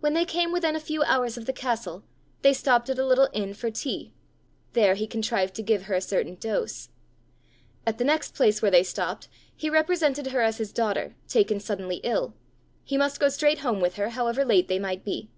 When they came within a few hours of the castle, they stopped at a little inn for tea; there he contrived to give her a certain dose. At the next place where they stopped, he represented her as his daughter taken suddenly ill: he must go straight home with her, however late they might be.